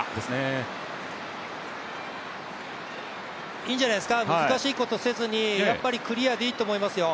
いいんじゃないですか難しいことせずにやっぱりクリアでいいと思いますよ。